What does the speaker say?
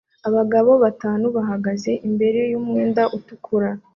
Abagabo batanu bahagaze imbere yumwenda utukura